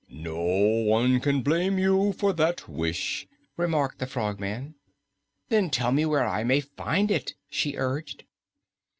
"No one can blame you for that wish," remarked the Frogman. "Then tell me where I may find it," she urged.